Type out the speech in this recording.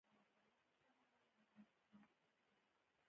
ښه فکر ژوند ته ښکلا ورکوي.